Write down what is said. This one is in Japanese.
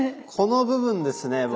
この部分ですね。